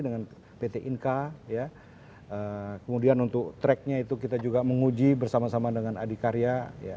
dengan pt inka kemudian untuk tracknya itu kita juga menguji bersama sama dengan adikarya